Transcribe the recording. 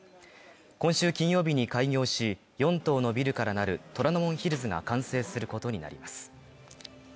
今週金曜日に開業し、４棟のビルからなる虎ノ門ヒルズが完成することになります。